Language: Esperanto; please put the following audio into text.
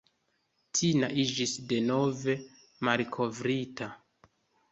Tina iĝis denove "malkovrita".